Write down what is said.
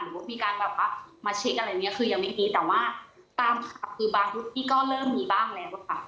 หรือว่ามีการแบบว่ามาเช็คอะไรนี้คือยังไม่มีแต่ว่าตามคือบางรุ่นนี้ก็เริ่มมีบ้างแล้วค่ะ